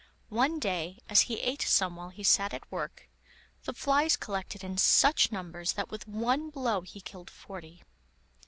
One day, as he ate some while he sat at work, the flies collected in such numbers that with one blow he killed forty.